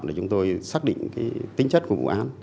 để chúng tôi xác định tính chất của vụ án